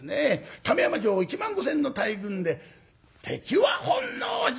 亀山城１万５，０００の大軍で「敵は本能寺！」。